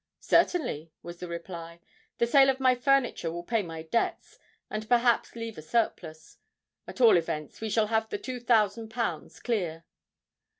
"Certainly," was the reply. "The sale of my furniture will pay my debts, and perhaps leave a surplus; at all events we shall have the two thousand pounds clear."